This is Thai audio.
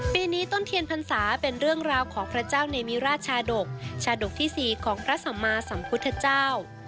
ปีนี้ต้นเทียนพรรษาเป็นเรื่องราวของพระเจ้าเนมิราชชาดกชาดกที่๔ของพระสัมมาสัมพุทธเจ้า